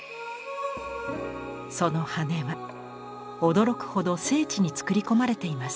その羽は驚くほど精緻に作り込まれています。